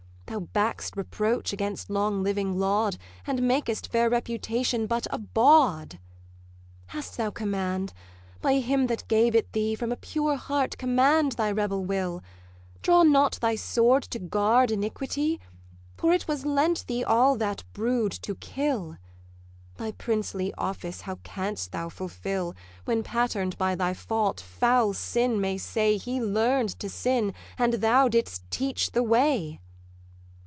Thou back'st reproach against long living laud, And makest fair reputation but a bawd. 'Hast thou command? by him that gave it thee, From a pure heart command thy rebel will: Draw not thy sword to guard iniquity, For it was lent thee all that brood to kill. Thy princely office how canst thou fulfill, When, pattern'd by thy fault, foul sin may say He learn'd to sin, and thou didst teach the way?